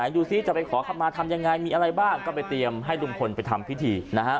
ดูสิจะไปขอคำมาทำยังไงมีอะไรบ้างก็ไปเตรียมให้ลุงพลไปทำพิธีนะฮะ